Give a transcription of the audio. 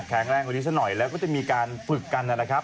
แรงกว่านี้ซะหน่อยแล้วก็จะมีการฝึกกันนะครับ